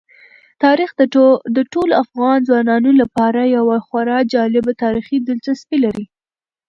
تاریخ د ټولو افغان ځوانانو لپاره یوه خورا جالب تاریخي دلچسپي لري.